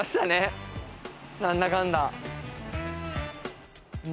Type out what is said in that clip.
何だかんだ。